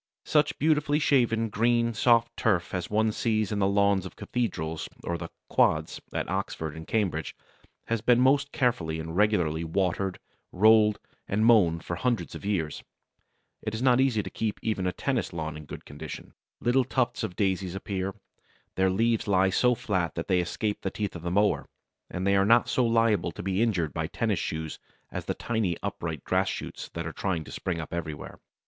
Such beautifully shaven, green, soft turf as one sees in the lawns of cathedrals or the "quads" at Oxford and Cambridge has been most carefully and regularly watered, rolled, and mown for hundreds of years. It is not easy to keep even a tennis lawn in good condition. Little tufts of daisies appear. Their leaves lie so flat that they escape the teeth of the mower, and they are not so liable to be injured by tennis shoes as the tiny upright grass shoots which are trying to spring up everywhere.